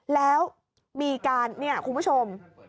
แล้วมีการคุณผู้ชม